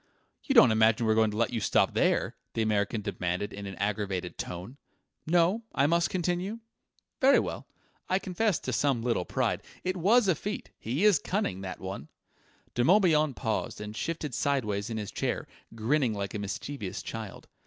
"You don't imagine we're going to let you stop there?" The American demanded in an aggrieved tone. "No? I must continue? Very well: I confess to some little pride. It was a feat. He is cunning, that one!" De Morbihan paused and shifted sideways in his chair, grinning like a mischievous child.